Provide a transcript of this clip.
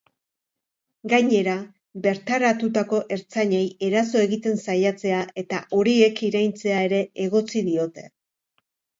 Gainera, bertaratutako ertzainei eraso egiten saiatzea eta horiek iraintzea ere egotzi diote.